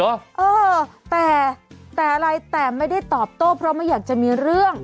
เออแต่แต่อะไรแต่ไม่ได้ตอบโต้เพราะไม่อยากจะมีเรื่อง